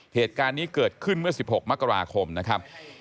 เหตุการณ์นี้เกิดขึ้นเมื่อ๑๖มกราคมนะครับ